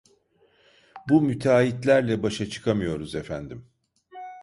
Bu müteahhitlerle başa çıkamıyoruz efendim…